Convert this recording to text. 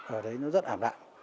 ở đấy nó rất ảm đạp